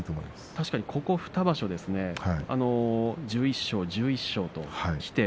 確かに、ここ２場所１１勝、１１勝ときて。